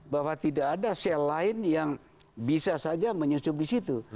bahwa tidak ada sel lain yang bisa saja menyusup di situ